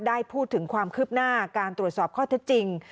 ได้พูดถึงความคืบหน้าการตรวจสอบข้อเท็จจริง